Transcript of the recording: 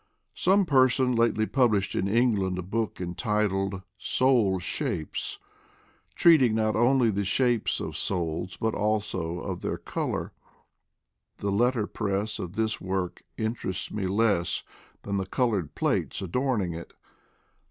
Some person lately published in England a book entitled " Soul Shapes, " treating not only of the shapes of souls but also of their color. The letter press of this work interests me less than the colored plates adorning it.